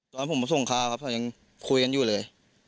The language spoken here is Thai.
ตอนผมมาส่งข้าวครับเขายังคุยกันอยู่เลย